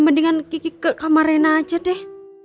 mendingan kiki ke kamar rina aja deh